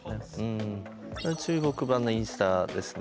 中国版のインスタですね。